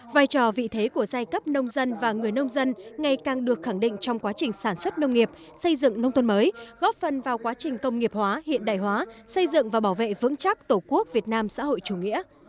vai trò vị thế của giai cấp nông dân và người nông dân ngày càng được khẳng định trong quá trình sản xuất nông nghiệp xây dựng nông thôn mới góp phần vào quá trình công nghiệp hóa hiện đại hóa xây dựng và bảo vệ vững chắc tổ quốc việt nam xã hội chủ nghĩa